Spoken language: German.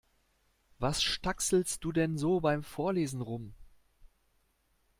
Was stackselst du denn so beim Vorlesen rum?